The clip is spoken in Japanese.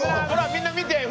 ほらみんな見て。